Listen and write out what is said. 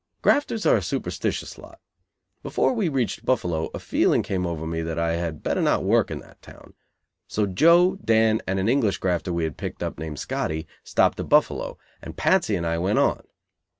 Grafters are a superstitious lot. Before we reached Buffalo a feeling came over me that I had better not work in that town; so Joe, Dan and an English grafter we had picked up, named Scotty, stopped at Buffalo, and Patsy and I went on.